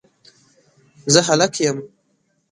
زه هلک یم